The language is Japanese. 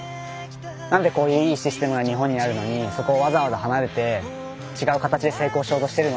なんでこういういいシステムが日本にあるのにそこをわざわざ離れて違う形で成功しようとしてるの？